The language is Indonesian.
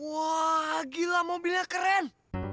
wah gila mobilnya keren